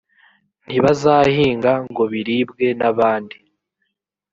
ntibazahinga ngo biribwe n’abandi